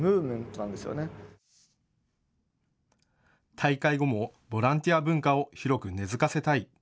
大会後もボランティア文化を広く根づかせたい。